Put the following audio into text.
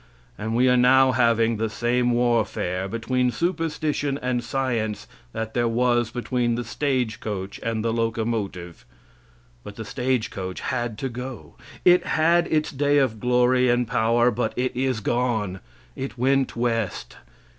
And we are now having the same warfare between superstition and science that there was between the stagecoach and the locomotive. But the stage coach had to go. It had its day of glory and power, but it is gone. It went West.